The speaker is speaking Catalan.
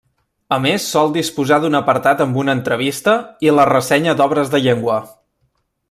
A més sol disposar d'un apartat amb una entrevista i la ressenya d’obres de llengua.